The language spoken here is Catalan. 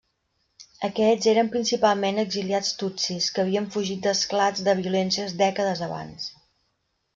Aquests eren principalment exiliats tutsis que havien fugit d'esclats de violència dècades abans.